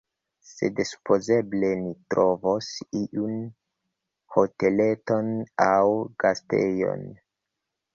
Sed supozeble ni trovos iun hoteleton aŭ gastejon.